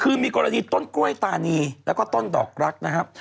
คือมีกรณีต้นกล้วยตานีแล้วก็ต้นดอกรักนะครับ